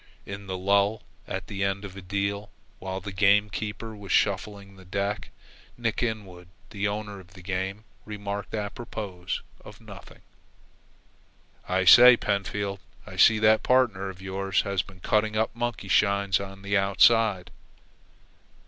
In the lull at the end of a deal, while the game keeper was shuffling the deck, Nick Inwood the owner of the game, remarked, apropos of nothing: "I say, Pentfield, I see that partner of yours has been cutting up monkey shines on the outside."